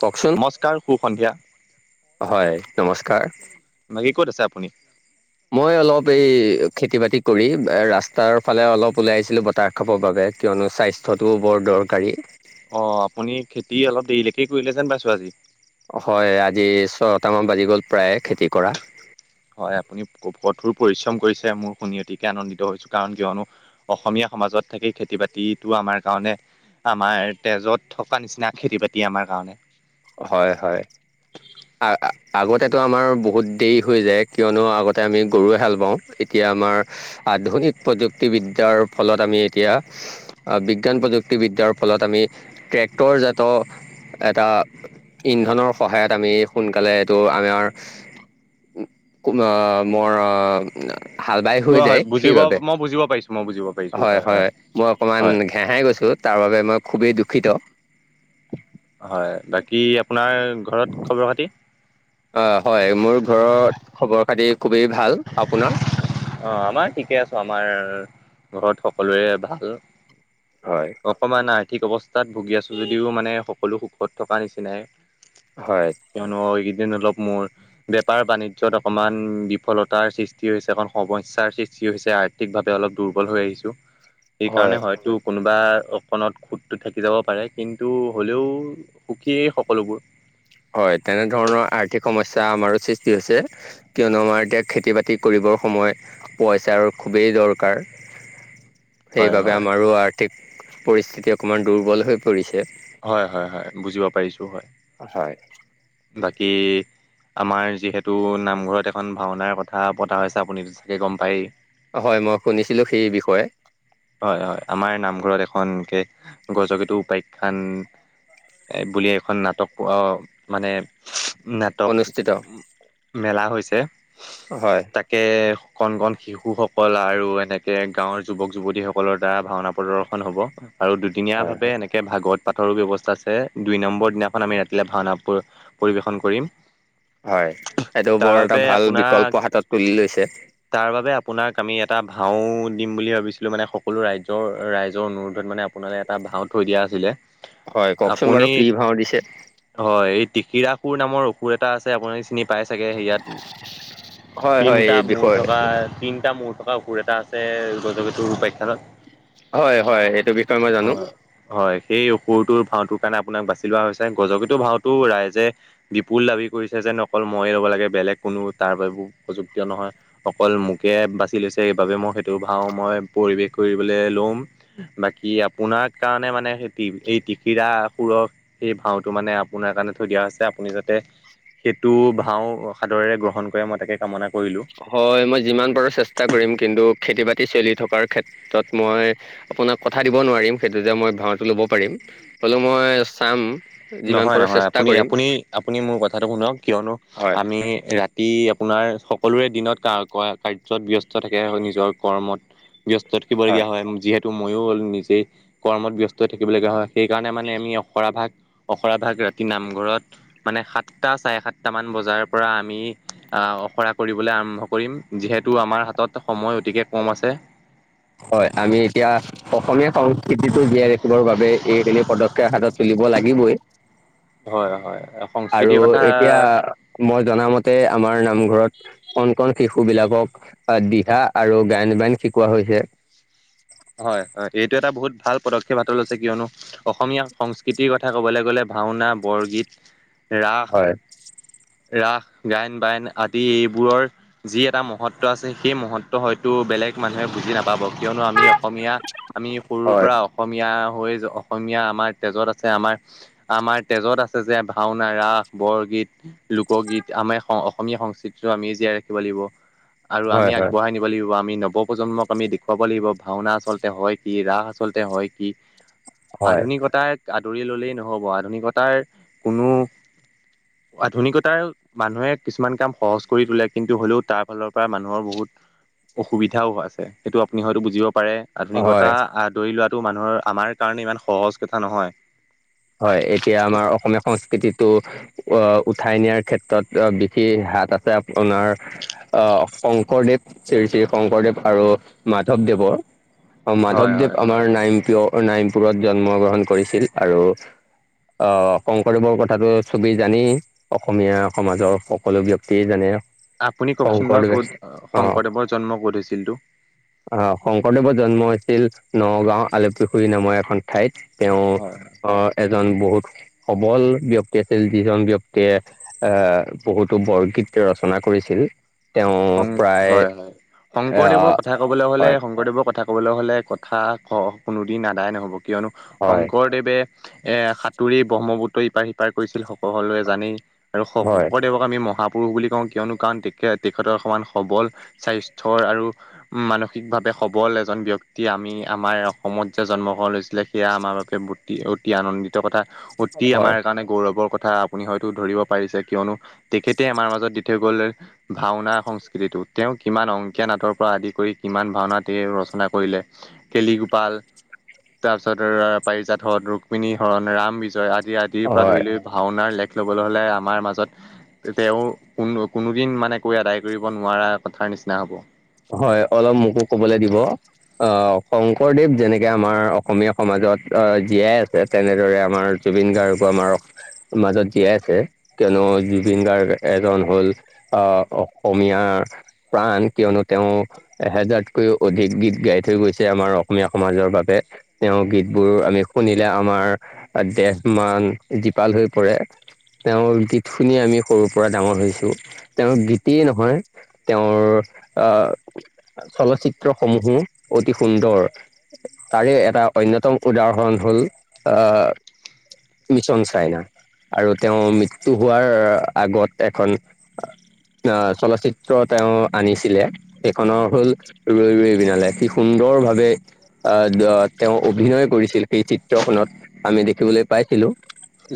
কওকচোন নমস্কাৰ সুসন্ধিয়া হয় নমস্কাৰ বাকী ক'ত আছে আপুনি মই অলপ এই খেতি বাতি কৰি এ ৰাস্তাৰ ফালে অলপ ওলাই আহিছিলো বতাহ খাবৰ বাবে কিয়নো স্বাস্থ্যটোও বৰ দৰ দৰকাৰী অ আপুনি খেতি অলপ দেৰিলৈকে কৰিলে যেন পাইছো আজি হয় আজি ছটামান বাজি গ'ল প্ৰায়ে খেতি কৰা হয় আপুনি কঠোৰ পৰিশ্ৰম কৰিছে মোৰ শুনি অতিকে আনন্দিত হৈছো কাৰণ কিয়নো অসমীয়া সমাজত থাকে খেতি বাতিটো আমাৰ কাৰণে আমাৰ তেজত থকা নিচিনা খেতি বাতি আমাৰ কাৰণে হয় হয় আ আগতেতো আমাৰ বহুত দেৰি হৈ যায় কিয়নো আগতে আমি গৰুয়ে হাল বাওঁ এতিয়া আমাৰ আধুনিক প্ৰযুক্তিবিদ্যাৰ ফলত আমি এতিয়া বিজ্ঞান প্ৰযুক্তিব বিদ্যাৰ ফলত আমি ট্ৰেক্টৰজাত এটা ইন্ধনৰ সহায়ত আমি সোনকালে এইটো আমাৰ মোৰ হাল বাই অ হৈ হয় যায় বুজিব সেইবাবে মই বুজিব পাৰিছো মই বুজিব পাৰিছো হয় হয় মই অকমান হয় ঘেহাই গৈছো তাৰ বাবে মই খুবেই দুখিত হয় বাকী আপোনাৰ ঘৰত খবৰ খাতি অ হয় মোৰ ঘৰত খবৰ খাতি খুবেই ভাল আপোনাৰ অ আমাৰ ঠিকে আছো আমাৰ ঘৰত সকলোৰে ভাল হয় অকমান আৰ্থিক অৱস্থাত ভুগি আছো যদিও মানে সকলো সুখত থকা নিচিনাই হয় কিয়নো এইকেদিন অলপ মোৰ বেপাৰ বাণিজ্যত অকণমান বিপ সমস্যাৰ সৃষ্টি হৈছে আৰ্থিকভাৱে অলপ দুৰ্বল হৈ আহিছো হয় সেইকাৰণে হয়তো কোনো বা অকণত খুটটো থাকি যাব পাৰে কিন্তু হ'লেও সুখীয়ে সকলোবোৰ হয় তেনেধৰণৰ আৰ্থিক সমস্যা আমাৰো সৃষ্টি হৈছে কিয়নো আমাৰ এতিয়া খেতি বাতি কৰিব সময় পইচাৰ খুবেই দৰকাৰ [unintelligible] সেইবাবে হয় আমাৰো আৰ্থিক পৰিস্থিতি অকণমান দুৰ্বল হৈ পৰিছে হয় হয় হয় বুজিব পাৰিছোঁ হয় হয় বাকী আমাৰ যিহেতু নামঘৰত এখন ভাওনাৰ কথা পতা হৈছে আপুনিটো চাগে গম পায়ে হয় মই শুনিছিলো সেই বিষয়ে হয় হয় আমাৰ নামঘৰত এখনকে গজকেতু উপাখ্যান এ বুলি এখন নাটক মানে নাটক অনুষ্ঠিত মেলা হৈছে হয় তাকে কণ কণ শিশুসকল আৰু এনেকে গাঁৱৰ যুৱক যুৱতী সকলৰ দ্বাৰা ভাওনা প্ৰদৰ্শন হ'ব আৰু দুদিনীয়া হয় ভাৱে এনেকে ভাগৱত পাত পথৰো ব্যৱস্থা আছে দুই নম্বৰ দিনাখন আমি ৰাতিলৈ ভাওনা পৰিৱেশন কৰিম হয় এইটো বৰ এটা তাৰবাবে ভাল আপোনাৰ বিকল্প হাতত তুলি লৈছে তাৰবাবে আপোনাক আমি ইয়াত এটা ভাও দিম বুলি ভাবিছো কি মানে সকলো ৰাইজৰ ৰাইজৰ অনুৰোধত মানে আপোনালে এটা ভাও থৈ দিয়া আছিলে হয় কওকচোন আপুনি বাৰু কি ভাও দিছে হয় এই টিকিৰা সুৰ নামৰ অসুৰ এটা আছে আপুনি চিনি পাই চাগে সেয়াত হয় হয় তিনটা এই মূ্ৰ বিষয়ে থকা তিনিটা মূৰ থকা বা অসুৰ এটা আছে গজকেতুৰ উপাখ্যান ত হয় হয় এইটো বিষয়ে মই জানো হয় হয় সেই অসুৰটোৰ ভাওটোৰ কাৰণে আপোনাক বাচি লোৱা হৈছে গজকেতো ভাওতো ৰাইজে বিপুল দাবী কৰিছে যে ন অকল মই ল'ব লে বেলেগ কোনো তাৰ বাবে উপযুক্ত নহয় অকল মোকে বাছি লৈছে এইবাবে মই সেইটো ভাওঁ মই পৰিৱেশ কৰিবলৈ লম বাকী আপোনাৰ কাৰণে মানে সেই এই টিকিৰাসুৰ সেই ভাওঁটো মানে আপোনাৰ কাৰণে থৈ দিয়া হৈছে আপুনি যাতে সেইটো ভাও সাদৰেৰে গ্ৰহণ কৰে মই তাকে কামনা কৰো হয় মই যিমান পাৰো চেষ্টা কৰিম কিন্তু খেতি বাতি চলি থকাৰ ক্ষেত্ৰত মই আপোনাক কথা দিব নোৱাৰিম সেইটো যে মই ভাওটো ল'ব পাৰিম হলো মই চাম যিমান নহয় পাৰো নহয় চেষ্টা আপুনি কৰিম আপুনি আপুনি মোৰ কথাটো শুনক কিয়নো হয় আমি ৰাতি তি আপোনাৰ সকলোৰে দিনত কাৰ্যত [unintelligible] থাকে নিজৰ কৰ্মত ব্যস্ত থাকিবলগীয়া হয় যিহেতু মইও নিজেই কৰ্মত ব্যস্ত থাকিব থাকিবলগীয়া হয় সেইকাৰণে মানে আমি অখৰাভাগ অখৰা ভাগ ৰাতি নামঘৰত মানে সাতটা চাৰে সাতটা মান বজাৰ পৰা আমি আহ অখৰা কৰিবলৈ আৰম্ভ কৰিম যিহেতু আমাৰ হাতত সময় অতিকে কম আছে হয় আমি এতিয়া অসমীয়া সংস্কৃতিটো জীয়াই ৰাখিবৰ বাবে এইখিনি পদক্ষেপ হাতত তুলি দিব লাগিবই হয় হয় আৰু সংস্কৃতিৰ কথা এতিয়া মই জনামতে আমাৰ নামঘৰত কণ কণ শিশু বিলাকক আহ দিহা আৰু গায়ন- বায়ন শিকোৱা হৈছে হয় হয় এইটো এটা বহুত ভাল পদক্ষেপ হাতত লৈছে কিয়নো অসমীয়া সংস্কৃতিৰ কথা ক'বলৈ গ'লে ভাওনা বৰগীত ৰাস হয় ৰাস গায়ন-বায়ন আদি এইবোৰৰ যি এটা মহত্ব আছে সেই মহত্ব হয়তো বেলেগ মানুহে বুজি বুজি নাপাব কিয়নো আমি অসমীয়া আমি সৰুৰ হয় পৰা অসমীয়া হৈ অসমীয়া আমাৰ তেজত আছে আমাৰ আমাৰ তেজত আছে যে ভাওনা ৰাস বৰগীত লোকগীত আমাৰ অসমীয়া সংস্কৃতিটো আমিয়ে জীয়াই ৰাখিব লাগিব আৰু হয় আমি আগবঢ়াই নিব লাগিব আমি নৱপ্ৰজন্মক আমি দেখুৱাব লাগিব ভাওনা আচলতে হয় কি ৰাস আচলতে হয় কি হয় আধুনিকতাই আদৰি ল'লেই নহ'ব আধুনিকতাৰ কোনো আধুনিকতাৰ মানুহে কিছুমান কাম সহজ কৰি তোলে কিন্তু হ'লেও তাৰ ফালৰ পৰা মানুহৰ বহুত অসুবিধাও আছে সেইটো আপুনি হয়টো বুজিব পাৰে আধুনিকতা হয় আদৰি লোৱাটো মানুহৰ আমাৰ কাৰণে ইমান সহজ কথা নহয় হয় এতিয়া আমাৰ অসমীয়া সংস্কৃতিটো উঠাই নিয়াৰ ক্ষেত্ৰত বিশেষ আছে আপোনাৰ আহ শংকৰদেৱ শ্ৰী শ্ৰী শংকৰদেৱ আৰু মাধৱদৱ [unintelligible] হয় মাধৱদেৱ হয় হয় আমাৰ নাইনপুৰত নাৰয়নপুৰত জন্ম গ্ৰহণ কৰিছিল আৰু [inaudible] আহ শংকৰদেৱৰ কথাটো চবেই জানেই অসমীয়া সমাজৰ সকলো ব্যক্তিয়ে জানে আপুনি কওকচোন বাৰু শংকৰদেৱ ক'ত শংকৰদেৱৰ জন্ম ক'ত হৈছিল তো অ শংকৰদেৱৰ জন্ম হৈছিল নগাঁও আলুপুখুৰী নামৰ এখন ঠাইত হয় তেওঁ আহ এজন বহুত সবল ব্যক্তি আছিল যিজন ব্যক্তিয়ে আহ বহুতো বৰগীত [unintelligible] ৰচনা কৰিছিল তেওঁ হয় প্ৰায় হয় শংকৰদেৱৰ আহ কথা ক'বলৈ হলে হয় শংকৰদেৱৰ কথা ক'বলৈ হলে কথা [inaudible] কোনোদিন আদায় নহ'ব কিয়নো হয় শংকৰদেৱে এ সাঁতুৰি ব্ৰহ্মপুত্ৰ ইপাৰ সিপাৰ কৰিছিল সকলোৱে জানেই আৰু হয় শঙ্কৰদেৱক আমি মহা পুৰুষ বুলি কওঁ কিয়নো কাৰণ তে খেতৰ সমান সবল স্বাস্থ্যৰ আৰু মানসিকভাৱে সবল এজন ব্যক্তিৰ আমি আমাৰ অসমত যে জন্মগ্ৰহণ হৈছিলে সেয়া আমাৰ বাবে বতি অতি আনন্দিত কথা অতি হয় আমাৰ কাৰণে গৌৰৱৰ কথা আপুনি হয়তো ধৰিব পাৰিছে কিয়নো তেখেতে আমাৰ মাজত দি থৈ গ'ল ভাওনা সংস্কৃতিটো তেওঁ কিমান অংকীয়া নাটৰ পৰা আদি কৰি কিমান ভাওনা তেওঁ ৰচনা কৰিলে কেলিগোপাল তাৰপিছত পাৰিজাত হৰণ ৰুক্মিণী হৰণ ৰাম বিজয় আ আদিৰ পৰা ধৰি হয় লৈ ভাওনাৰ লেখ ল'বলৈ হলে আমাৰ মাজত তেওঁ কোনো কোনোদিন মানে কৈ আদায় কৰিব নোৱাৰা কথাৰ নিচিনা হ'ব হয় অলপ মোকো কবলৈ দিব আহ শংকৰদেৱ যেনেকে আমাৰ অসমীয়া সমাজ ত অ জীয়াই আছে তেনেদৰে আমাৰ জুবিন গাৰ্গো আমাৰ মাজত জীয়াই আছে কিয়নো জুবিন গাৰ্গ এজন হ'ল আহ অসমীয়াৰ প্ৰাণ কিয়নো তেওঁ এহেজাৰতকৈও অধিক গীত গাই থৈ গৈছে আমাৰ অসমীয়া সমাজৰ বাবে তেওঁ গীত বোৰ আমি শুনিলে আমাৰ দেহ মান জীপাল হৈ পৰে তেওঁৰ গীত শুনি আমি সৰুৰ পৰা ডাঙৰ হৈছো তেওঁৰ গীতেই নহয় তেওঁৰ অ চলচিত্ৰ সমূহো অতি সুন্দৰ তাৰে এটা অন্যতম উদাহৰণ হ'ল অ মিছন চাইনা আৰু তেওঁ মৃত্যু হোৱাৰ আগত এখন অ চলচিত্ৰ তেওঁ আনিছে ছিলে সেইখনৰ হল ৰৈ ৰৈ বিনালে কি সুন্দৰ ভাৱে আহ তেওঁ অভিনয় কৰিছিল সেই চিত্ৰখনত আমি দেখিবলৈ পাইছিলো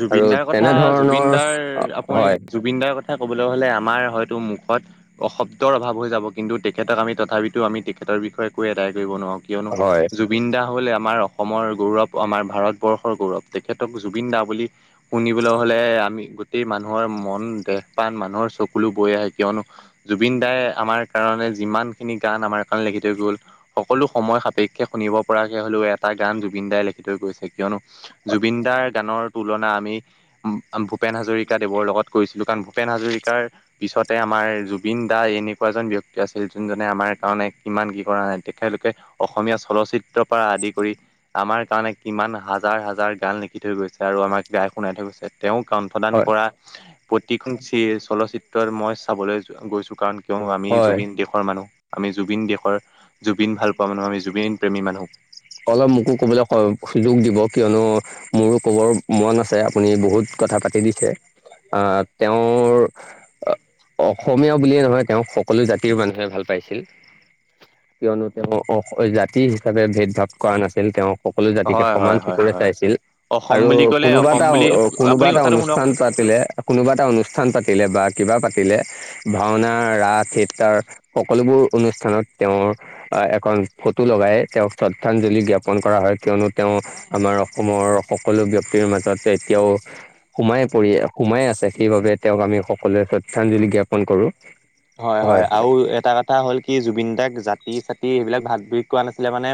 জুবিন আৰু দাৰ কথা জুবিন তেনেধৰণৰ দাৰ আপুনি হয় জুবিন দাৰ কথা ক'বলৈ হ'লে আমাৰ হয়তো মোক অ শব্দৰ অভাৱ হৈ যাব কিন্তু তেখেতক আমি তথাপিতো আমি তেখেতৰ বিষয়ে কৈ আদায় কৰিব নোৱাৰো কিয়নো হয় জুবিন দা হ'ল আমাৰ অসমৰ গৌৰৱ আমাৰ ভাৰতবৰ্ষৰ গৌৰৱ তেখেতক জুবিন দা বুলি শুনিবলৈ হলে আমি গোটেই মানুহৰ মন দেহ পান মানুহৰ চকুলো বৈ আহে কিয় জুবিন দাই আমাৰ কাৰণে যিমান খিনি গান আমাৰ কাৰণে লিখি থৈ গ'ল সকলো সময় সাপেক্ষে শুনিব পৰাকে হ'লেও এটা গান জুবিন দাই লিখি থৈ গৈছে কিয়নো জুবিন দাৰ গানৰ তুলনা আমি ভূপেন হাজৰিকা দেৱৰ লগত কৰিছিলো কাৰণ ভূপেন হাজৰিকাৰ পিছতে আমাৰ জুবিন দা এনেকুৱা এজন ব্যক্তি আছিল যোনজনে আমাৰ কাৰণে কিমান কি কৰা নাই তেখেতলোকে অসমীয়া চলচিত্ৰ পৰা আদি কৰি আমাৰ কাৰণে কিমান হাজাৰ হাজাৰ গান লিখি থৈ গৈছে আৰু আমাক গাই শুনাই থৈ গৈছে তেওঁক কণ্ঠদান হয় কৰা প্ৰতিখন চিয়ে চলচিত্ৰ মই চাবলৈ গৈছো কাৰণ কিয় আমি হয় জুবিন দেশৰ মানুহ আমি জুবিন দেশৰ জুবিন ভাল পোৱা মানুহ আমি জুবিন প্ৰেমী মানুহ অলপ মোকো ক'বলৈ সুযোগ দিব কিয়নো মোৰো কবৰ মন আছে আপুনি বহুত কথা পাতি দিছে আহ তেওঁৰ অসমীয়া বুলিয়ে নহয় তেওঁক সকলো জাতিৰ মানুহে ভাল পাইছিল কিয়নো তেওঁ জাতি হিচাপে ভেদ ভাৱ কৰা নাছিল তেওঁ সকলো জাতিকে হয় সমান হয় হয় চকুৰে হয় চাইছিল অসম আৰু বুলি ক'লে কোনোবা অসম এটা বুলি কোনোবা আপুনি এটা কথাটো শুনক অনুষ্ঠান পাতিলে কোনোবা এটা অনুষ্ঠান পাতিলে বা কিবা পা -তিলে ভাওনা ৰাস থিয়েটাৰ সকলোবোৰ অনুষ্ঠানত তেওঁৰ এক - ফটো লগাই তেওঁক শ্ৰদ্ধা- -ঞ্জলি জ্ঞাপন কৰা হয় কিয়নো তেওঁ আমাৰ অসমৰ সকলো ব্যক্তিৰ মাজত এতিয়াও সোমাই পৰি সোমাই আছে সেইবাবে তেওঁক আমি সকলোৱে শ্ৰদ্ধাঞ্জলি জ্ঞাপন কৰো হয় হয় আৰু এটা কথা হ'ল কি জুবিন দাক জাতি চাট টি সেইবিলাক ভাগ ভেদ কৰা নাছিলে মানে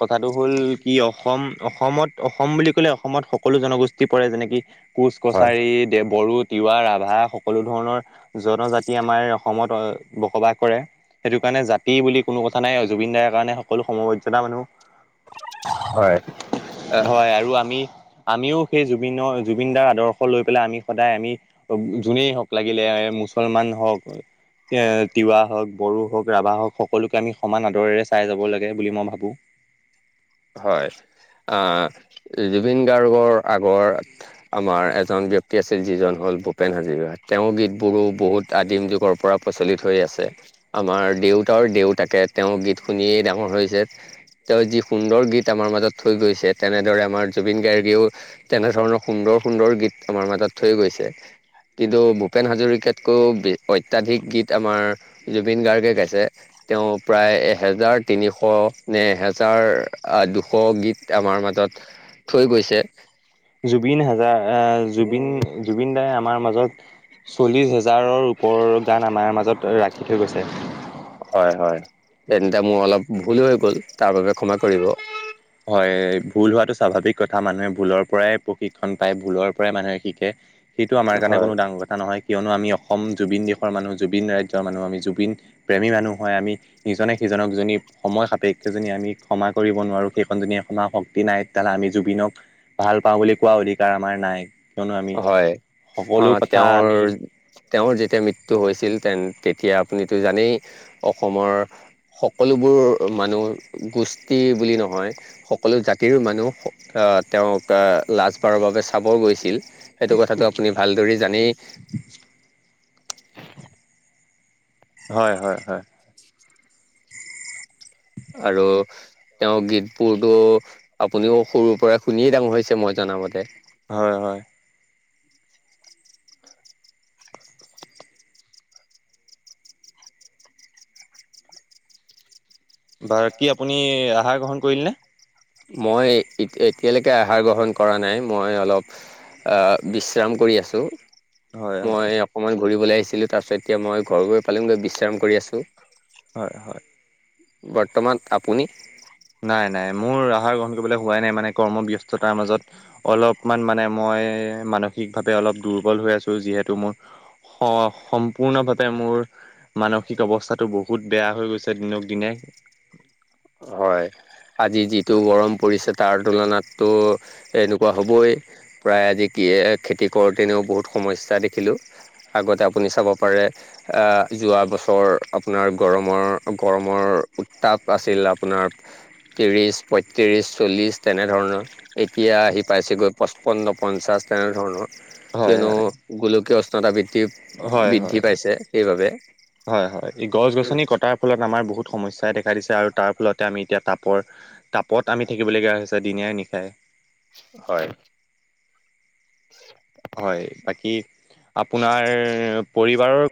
কথাটো হ'ল কি অসম অসমত অসম বুলি ক'লে অসমত সকলো জনগোষ্ঠী পৰে যেনেকে কোচ হয় কছাৰী দে বড়ো তিৱা ৰাভা সকলো ধৰণৰ জনজাতি আমাৰ অসমত বসবাস কৰে সেইটো কাৰণে জাতি বুলি কোনো কথা নাই অ জুবিন দাৰ কাৰণে সকলো সমমৰ্যাদা মানুহ হয় হয় আৰু আমি আমিও সেই জুবিনৰ জুবিনদাৰ আদৰ্শ লৈ পেলাই আমি সদায় আমি যোনেই হওঁক লাগিলে মুছলমান হওক এ তিৱা হওক বড়ো হওঁক ৰাভা হওক সকলোকে আমি সমান আদৰেৰে চাই যাব লাগে বুলি মই ভাবো [inaudible] হয় আহ জুবিন গাৰ্গৰ আগৰ আমাৰ এজন ব্যক্তি আছিল যিজন হ'ল ভূপেন হাজৰিকা তেওঁৰ গীতবোৰো বহুত আদিম যুগৰ পৰা প্ৰচলিত হৈ আছে আমাৰ দেউতাৰ দেউতাকে তেওঁৰ গীত শুনিয়েই ডাঙৰ হৈছে তেওঁৰ যি সুন্দৰ গীত আমাৰ মাজত থৈ গৈছে তেনেদৰে আমাৰ জুবিন গাৰ্গেও তেনেধৰণৰ সুন্দৰ সুন্দৰ গীত আমাৰ মাজত থৈ গৈছে। কিন্তু ভূপেন হাজৰিকাতকৈও অত্যাধিক গীত আমাৰ জুবিন গাৰ্গে গাইছে। তেওঁ প্ৰায় এহেজাৰ তিনিশ নে এহেজাৰ আহ দুশ গীত আমাৰ মাজত থৈ গৈছে। জুবিন হাজাৰ জুবিন জুবিন দাই আমাৰ মাজত চল্লিশ হাজাৰৰ ওপৰৰ গান আমাৰ মাজত ৰাখি থৈ গৈছে। হয় হয় তেন্তে মোৰ অলপ ভুল হৈ গ'ল তাৰ বাবে ক্ষমা কৰিব। হয় ভুল হোৱাটো স্বাভাৱিক কথা মানুহে ভুলৰ পৰাই প্ৰশিক্ষণ পায় ভুলৰ পৰাই মানুহে শিকে। সেইটো আমাৰ কাৰনে কোনো হয়। ডাঙৰ কথা নহয় কিয়নো আমি অস অসম জুবিন দেশৰ মানুহ জুবিন ৰাজ্যৰ মানুহ আমি জুবিন প্ৰেমী মানুহ হয় আমি ইজনে সিজনক যদি সময় সাপেক্ষে যদি আমি ক্ষমা কৰিব নোৱাৰোঁ সেইকন যদি আপোনাৰ শক্তি নাই তেতিয়াহ'লে আমি জুবিনক ভাল পাওঁ বুলি কোৱা অধিকাৰ আমাৰ নাই। কিয়নো আমি হয় অ সকলো কথা আমি তেওঁৰ তেওঁৰ যে যেতিয়া মৃত্যু হৈছিল তেন তেতিয়া আপুনিতো জানেই অসমৰ সকলোবোৰ মানুহ গোষ্ঠী বুলি নহয় সকলো জাতিৰো মানুহ তেওঁক লাষ্টবাৰৰ বাবে চাব গৈছিল। সেইটো কথাটো আপুনি ভালদৰে জানেই। হয় হয় হয়। আৰু তেওঁৰ গীত বোৰতো আপুনিও সৰুৰ পৰা শুনিয়েই ডাঙৰ হৈছে মই জানো। শুনামতে। হয় হয়। বাকী আপুনি আহাৰ গ্ৰহণ কৰিলে নে? মই এতিয়ালৈকে আহাৰ গ্ৰহণ কৰা নাই। মই অলপ আ বিশ্ৰাম কৰি আছোঁ। হয় হয় মই অকনমান ঘুৰিবলৈ আহিছিলো তাৰ পিছত এতিয়া মই ঘৰ গৈ পালো গৈ বিশ্ৰাম কৰি আছো। হয় হয়। বৰ্তমান আপুনি? নাই নাই মোৰ আহাৰ গ গ্ৰহণ কৰিবলৈ হোৱাই নাই মানে কৰ্ম ব্যস্ততাৰ মাজত অলপমান মানে মই মানসিকভাৱে অলপ দুৰ্বল হৈ আছো যিহেতু মোৰ স সম্পূৰ্ণভাৱে মোৰ মানসিক অৱস্থাতটো বহুত বেয়া হৈ গৈছে দিনক দিনে। হয় আজি যিটো গৰম পৰিছে তাৰ তুলনাতটো এনেকুৱা হ'বই। প্ৰায় আজি কি খেতি কৰোতেনেও বহুত সমস্যা দেখিলো। আগতে আপুনি চাব পাৰে যোৱা বছৰ আপোনাৰ গৰমৰ গৰমৰ উত্তাপ আছিল আপোনাৰ ত্ৰিছ পঁয়ত্ৰিছ চল্লিছ তেনেধৰণৰ এতিয়া আহি পাইছেগৈ পঁচপন্ন পঞ্চাছ। তেনেধৰণৰ হয় কিয়নো হয় গোলকীয় উষ্ণতা বৃদ্ধি হয় হয় বৃদ্ধি পাইছে সেইবাবে। হয় হয় গছ গছনি কটাৰ ফলত আমাৰ বহুত সমস্যাই দে দেখা দিছে আৰু তাৰ ফলতে আমি এতিয়া তাপৰ তাপত আমি থাকিবলগীয়া হৈছে দিনে নিশাই। হয়। [inaudible] হয়। বাকী আপোনাৰ পৰিবাৰৰ